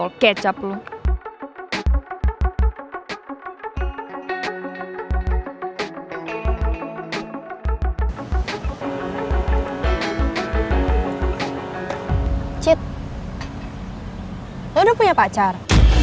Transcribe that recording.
lo udah punya pacar